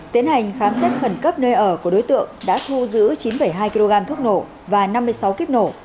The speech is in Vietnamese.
tiến hành khám xét khẩn cấp nơi ở của đối tượng đã thu giữ chín hai kg thuốc nổ và năm mươi sáu kíp nổ